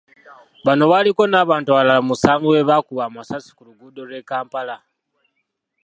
Bano baliko n’abantu abalala musanvu be baakuba amasasi ku luguudo lw'e Kampala.